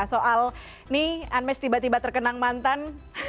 soal nih unmesh tiba tiba terkenang mantan